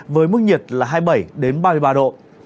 với mức nhiệt là hai mươi bảy ba mươi ba độ